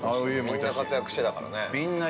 ◆みんな活躍してたからね。